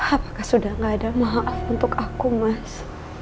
apakah sudah tidak ada maaf untuk aku mas